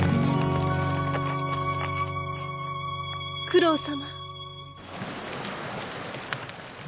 九郎様。